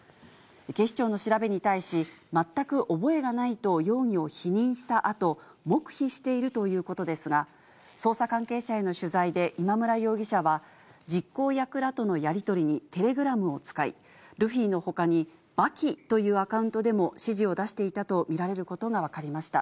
警視庁の調べに対し、全く覚えがないと容疑を否認したあと、黙秘しているということですが、捜査関係者への取材で今村容疑者は、実行役らとのやり取りにテレグラムを使い、ルフィのほかに刃牙というアカウントでも指示を出していたと見られることが分かりました。